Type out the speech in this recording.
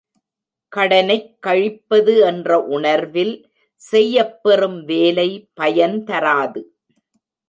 கடனைக் கழிப்பது என்ற உணர்வில் செய்யப் பெறும் வேலை பயன் தராது.